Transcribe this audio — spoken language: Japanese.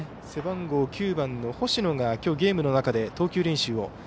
背番号９番の星野がゲームの中で投球練習を。